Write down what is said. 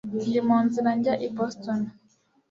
Ndi mu nzira njya i Boston